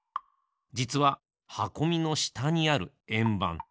じつははこみのしたにあるえんばん。